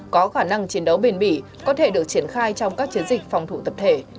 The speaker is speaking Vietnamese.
có khả năng chiến đấu bền bỉ có thể được triển khai trong các chiến dịch phòng thủ tập thể